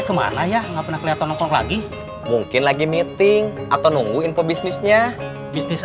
kemana ya nggak pernah kelihatan nongkrong lagi mungkin lagi meeting atau nunggu info bisnisnya bisnis